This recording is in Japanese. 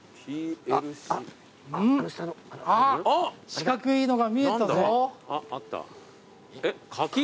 四角いのが見えたぞ！